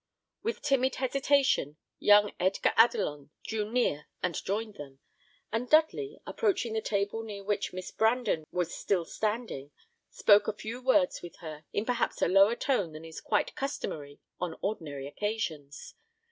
With timid hesitation young Edgar Adelon drew near and joined them; and Dudley, approaching the table near which Miss Brandon was still standing, spoke a few words with her in perhaps a lower tone than is quite customary on ordinary occasions.